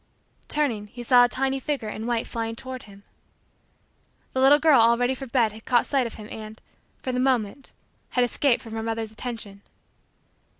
Turning, he saw a tiny figure in white flying toward him. The little girl, all ready for bed, had caught sight of him and, for the moment, had escaped from her mother's attention.